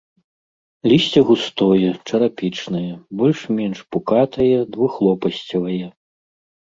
Лісце густое, чарапічнае, больш-менш пукатае, двухлопасцевае.